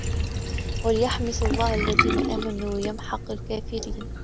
وليمحص الله الذين آمنوا ويمحق الكافرين